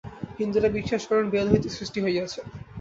হিন্দুরা বিশ্বাস করেন, বেদ হইতে সৃষ্টি হইয়াছে।